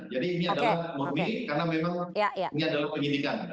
jadi ini adalah murni karena memang ini adalah penyidikan